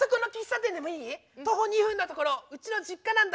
徒歩２分のところうちの実家なんだ。